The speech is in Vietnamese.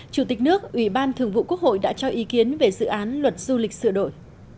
chủ tịch nước ủy ban thường vụ quốc hội đã cho ý kiến về dự án luật du lịch sửa đổi